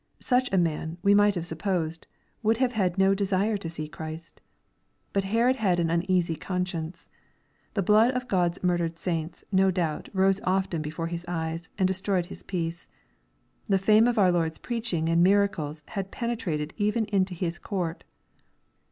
Such a man, we might have supposed, would have had no de sire to see Christ, But Herod had an uneasy conscience. The blood of God's murdered saints, no doubt, rose often before his eyes, and destroyed his peace. The fiime of our Lord's preaching and miracles had penetrated even into his court.